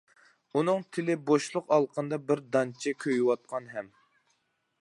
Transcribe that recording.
ئۇنىڭ تىلى بوشلۇق ئالىقىنىدا بىر دانچە، كۆيۈۋاتقان ھەم.